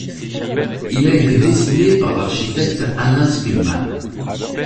Il a été dessiné par l'architecte Alain Spielmann.